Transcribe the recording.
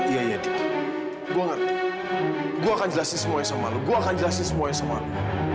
iya iya taufan gua ngerti gua akan jelasin semua ini sama lo gua akan jelasin semua ini sama lo